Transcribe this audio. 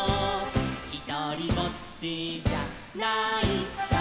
「ひとりぼっちじゃないさ」